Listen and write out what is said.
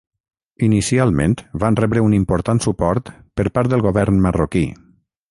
Inicialment van rebre un important suport per part del govern marroquí.